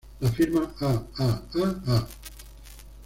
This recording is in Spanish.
La firma "A.a.a.a.